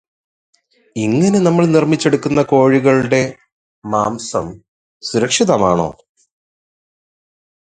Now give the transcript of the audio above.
ഇങ്ങനെ നമ്മൾ 'നിര്മിച്ചെടുക്കുന്ന' കോഴികളുടെ മാംസം സുരക്ഷിതമാണോ?